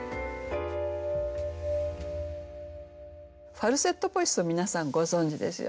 「ファルセットボイス」は皆さんご存じですよね。